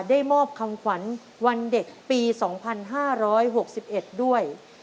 ได้มอบคำขวัญวันเด็กปี๒๕๖๑ด้วย